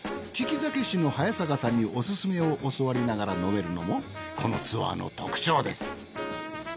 き酒師の早坂さんにおすすめを教わりなが飲めるのもこのツアーの特徴です。